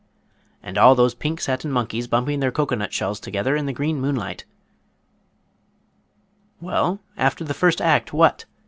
"And all those pink satin monkeys bumping their cocoanut shells together in the green moonlight " "Well, after the first act, what?"